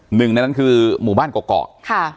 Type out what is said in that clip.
หนึ่งในนั้นคือหมู่บ้านกรอกค่ะ